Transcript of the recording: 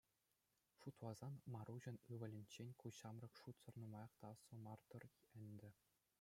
Шутласан, Маруҫӑн ывӑлӗнчен ку ҫамрӑк шутсӑр нумаях та аслӑ мар-тӑр ӗнтӗ.